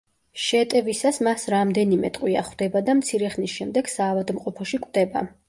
შეტევისას მას რამდენიმე ტყვია ხვდება და მცირე ხნის შემდეგ საავადმყოფოში კვდება.